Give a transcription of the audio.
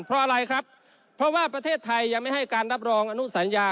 เพราะอะไรครับเพราะว่าประเทศไทยยังไม่ให้การรับรองอนุสัญญา